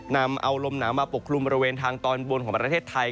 นำเอาลมหนาวมาปกคลุมบริเวณทางตอนบนของประเทศไทย